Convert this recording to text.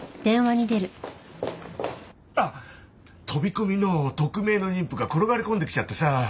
あっ飛び込みの匿名の妊婦が転がり込んできちゃってさ。